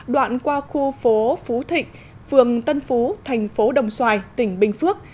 đoạn qua khu phố phú thịnh phường tân phú thành phố đồng xoài tỉnh bình phước